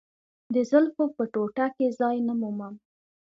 د زلفو په ټوټه کې ځای نه مومم.